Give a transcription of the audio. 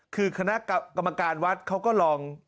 คือคณะกรรมการวัดเขาก็ลอง